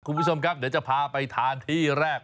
คุณผู้ชมครับเดี๋ยวจะพาไปทานที่แรก